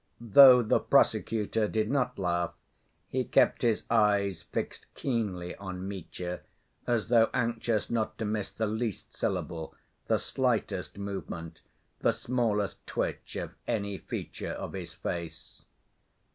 Though the prosecutor did not laugh, he kept his eyes fixed keenly on Mitya, as though anxious not to miss the least syllable, the slightest movement, the smallest twitch of any feature of his face.